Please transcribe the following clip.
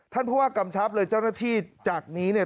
ท่านผู้ว่ากำชับเลยเจ้าหน้าที่จากนี้เนี่ย